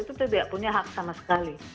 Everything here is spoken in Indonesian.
itu tidak punya hak sama sekali